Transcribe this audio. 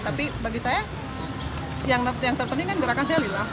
tapi bagi saya yang terpenting kan gerakan saya lillah